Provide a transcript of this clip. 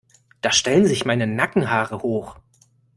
Da stellen sich meine Nackenhaare hoch.